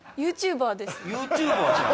ＹｏｕＴｕｂｅｒじゃん。